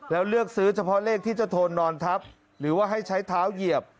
แล้วเลือกซื้อเฉพาะเลขที่เจ้าโทนนอนทับหรือว่าให้ใช้เท้าเหยียบ